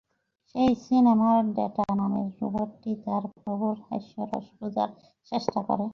সেই সিনেমার ডেটা নামের রোবটটি তার প্রভুর হাস্যরস বোঝার চেষ্টা করে।